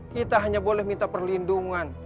kita hanya boleh minta perlindungan